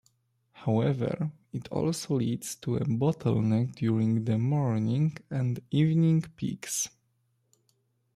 However, it also leads to a bottleneck during the morning and evening peaks.